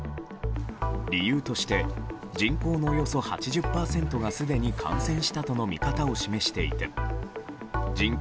理由として人口のおよそ８０％がすでに感染したとの見方を示していて人口